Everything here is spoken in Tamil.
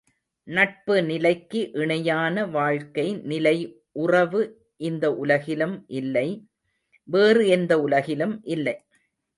நட்பு நிலைக்கு இணையான வாழ்க்கை நிலை உறவு இந்த உலகிலும் இல்லை வேறு எந்த உலகிலும் இல்லை.